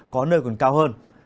có nơi còn cao hơn